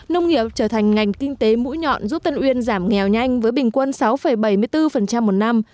nông nghiệp trở thành ngành kinh tế mũi nhọn giúp tân uyên giảm nghèo nhanh với bình quân sáu bảy mươi bốn một năm